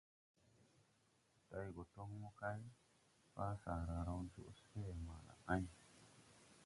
Day go toŋ mo kay pa, saara raw joʼ swé ma la ɛŋ.